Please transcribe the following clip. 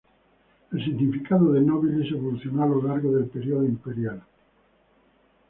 El significado de "nobilis" evolucionó a lo largo del periodo imperial.